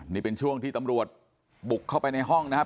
นี่เป็นช่วงที่ตำรวจบุกเข้าไปในห้องนะครับ